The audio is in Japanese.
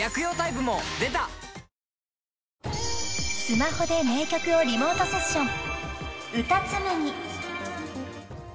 ［スマホで名曲をリモートセッション］